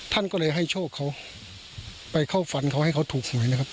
ท่านก็เลยให้โชคเขาไปเข้าฝันเขาให้เขาถูกหวยนะครับ